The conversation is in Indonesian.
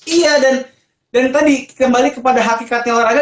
iya dan dari tadi kembali kepada hakikatnya olahraga